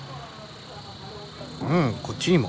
うんこっちにも。